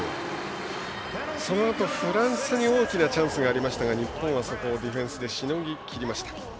そのあとフランスに大きなチャンスがありましたが日本はディフェンスでしのぎきりました。